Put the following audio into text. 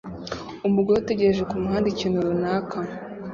Umugore utegereje kumuhanda ikintu runaka